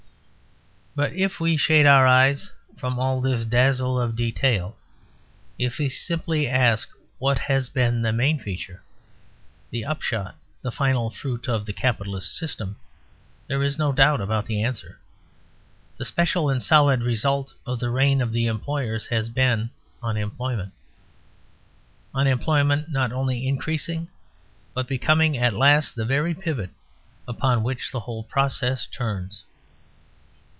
But if we shade our eyes from all this dazzle of detail; if we simply ask what has been the main feature, the upshot, the final fruit of the capitalist system, there is no doubt about the answer. The special and solid result of the reign of the employers has been unemployment. Unemployment not only increasing, but becoming at last the very pivot upon which the whole process turns.